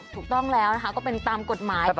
ถูกต้องแล้วนะคะก็เป็นตามกฎหมาย